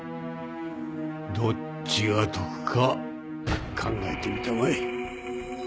どっちが得か考えてみたまえ。